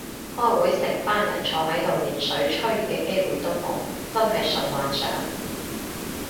開會成班人坐喺度連水吹嘅機會都冇，真係純幻想